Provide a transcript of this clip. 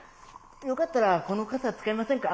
「よかったらこの傘使いませんか？